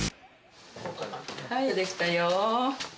はいできたよ。